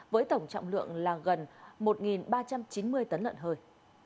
với tổng trọng lượng là gần một ba trăm chín mươi tỷ